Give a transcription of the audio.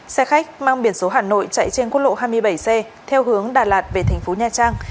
xe khách mang biển số hà nội chạy trên quốc lộ hai mươi bảy c theo hướng đà lạt về thành phố nha trang